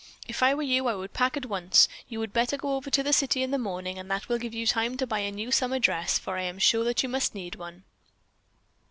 "If I were you I would pack at once. You would better go over to the city in the morning and that will give you time to buy a new summer dress, for I am sure that you must need one."